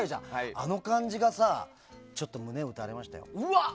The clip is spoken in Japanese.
あの感じがさ胸を打たれましたよ。